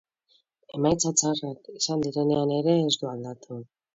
Emaitzak txarrak izan direnean ere ez du aldatu.